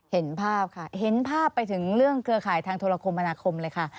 เห็นภาพค่ะเห็นภาพไปถึงเรื่องเกลือข่ายทางโทรคมมค